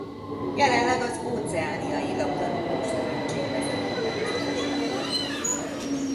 Jelenleg az Óceániai Labdarúgó-szövetség vezető beosztású tagja.